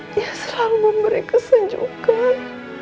dia selalu memberi kesenjukan